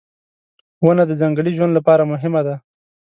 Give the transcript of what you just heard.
• ونه د ځنګلي ژوند لپاره مهمه ده.